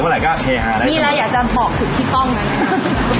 มิลัยอยากจะพอสิทธิป้องไงนะ